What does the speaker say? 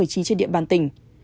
trên địa bàn tỉnh